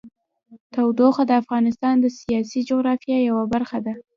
تودوخه د افغانستان د سیاسي جغرافیه یوه برخه ده.